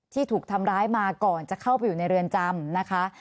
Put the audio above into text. ถูกทำร้ายมาก่อนจะเข้าไปอยู่ในเรือนจำนะคะ